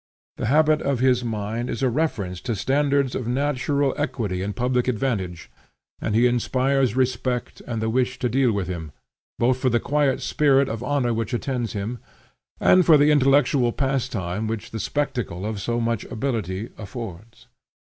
The habit of his mind is a reference to standards of natural equity and public advantage; and he inspires respect and the wish to deal with him, both for the quiet spirit of honor which attends him, and for the intellectual pastime which the spectacle of so much ability affords.